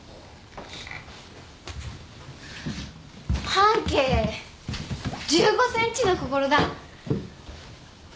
半径１５センチの心だ。